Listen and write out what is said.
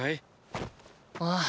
ああ。